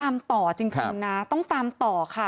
ตามต่อจริงนะต้องตามต่อค่ะ